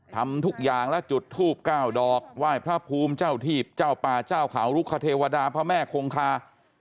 ทำทุกอย่างและจุดทูบ๙ดอกไหว้พระภูมิเจ้าทีพเจ้าป่าเจ้าเขาลุกคเทวดาพระแม่คงคา